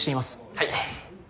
はい。